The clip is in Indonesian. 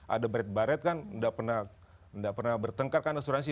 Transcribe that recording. ada baret baret kan nggak pernah bertengkar kan asuransi